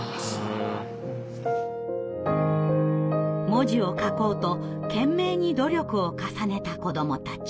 文字を書こうと懸命に努力を重ねた子どもたち。